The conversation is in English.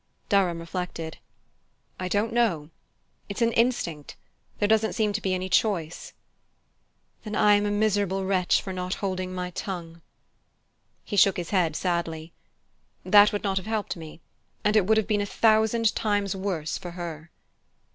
Durham reflected. "I don't know it's an instinct. There doesn't seem to be any choice." "Then I am a miserable wretch for not holding my tongue!" He shook his head sadly. "That would not have helped me; and it would have been a thousand times worse for her."